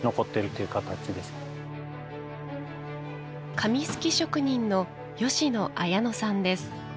紙すき職人の吉野綾野さんです。